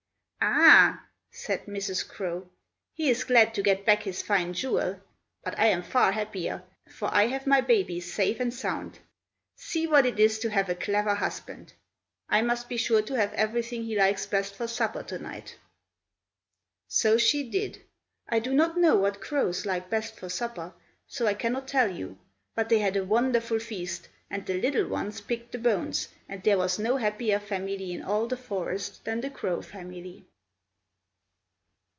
"Ah!" said Mrs. Crow. "He is glad to get back his fine jewel; but I am far happier, for I have my babies safe and sound. See what it is to have a clever husband! I must be sure to have everything he likes best for supper to night." So she did! I do not know what crows like best for supper, so I cannot tell you; but they had a wonderful feast, and the little ones picked the bones, and there was no happier family in all the forest than the Crow Family.